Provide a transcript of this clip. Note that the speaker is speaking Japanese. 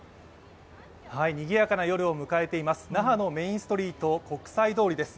にぎやかな夜を迎えています、那覇のメインストリート、国際通りです。